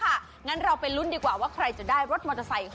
งั้นเราไปลุ้นดีกว่าว่าใครจะได้รถมอเตอร์ไซค์